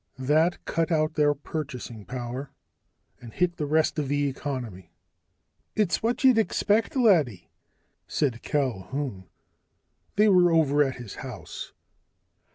That cut out their purchasing power and hit the rest of the economy. "It's what you'd expect, laddie," said Culquhoun. They were over at his house.